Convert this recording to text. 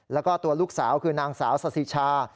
แล้วก็ตัวลูกสาวคือนางสาวสาธิชา